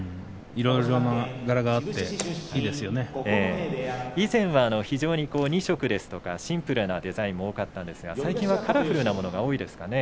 いろいろな柄があって以前は２色ですとかシンプルなデザインが多かったんですが最近はカラフルなものが多いですかね。